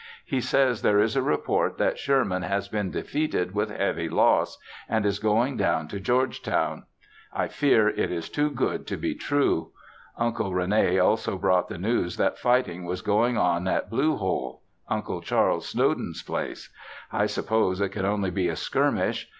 He says there is a report that Sherman has been defeated with heavy loss, and is going down to Georgetown. I fear it is too good to be true. Uncle Rene also brought the news that fighting was going on at Blue Hole, Uncle Charles Snowden's place. I suppose it can only be a skirmish.